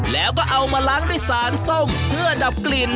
แล้วก็เอามาล้างด้วยสารส้มเพื่อดับกลิ่น